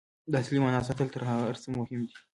د اصلي معنا ساتل تر هر څه مهم دي.